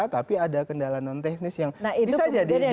tapi ada kendala non teknis yang bisa jadi di luar kontrol